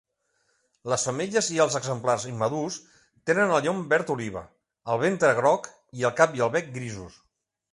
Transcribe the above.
Les femelles i els exemplars immadurs tenen el llom verd oliva, el ventre groc, i el cap i el bec grisos.